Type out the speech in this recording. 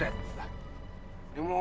terima kasih ya juan